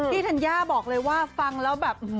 ธัญญาบอกเลยว่าฟังแล้วแบบ